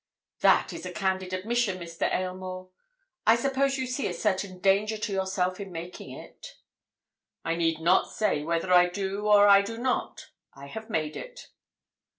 "That is a candid admission, Mr. Aylmore. I suppose you see a certain danger to yourself in making it." "I need not say whether I do or I do not. I have made it."